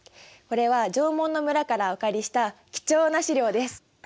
これは縄文の村からお借りした貴重な資料です。